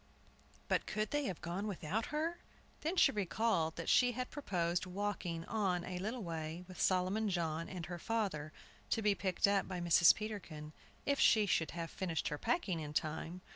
But could they have gone without her? Then she recalled that she had proposed walking on a little way with Solomon John and her father, to be picked up by Mrs. Peterkin, if she should have finished her packing in time.